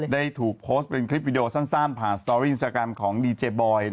ได้ถูกโพสต์เป็นคลิปวิดีโอสั้นผ่านสตอรี่อินสตาแกรมของดีเจบอย